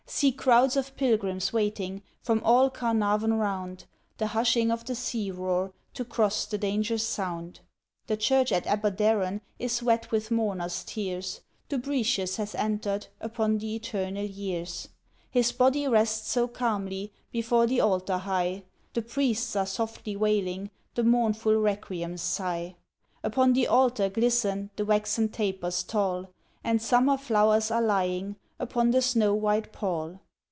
See crowds of pilgrims waiting From all Carnarvon round, The hushing of the sea roar, To cross the dangerous sound. {23b} The Church at Aberdaron Is wet with mourners' tears; Dubritius has entered Upon the Eternal years. His body rests so calmly Before the Altar high, The Priests are softly wailing The mournful Requiem's sigh. Upon the Altar glisten The waxen tapers tall, And summer flowers are lying Upon the snow white pall.